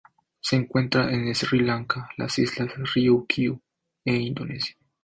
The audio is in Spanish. Se encuentra en Sri Lanka, las Islas Ryukyu e Indonesia.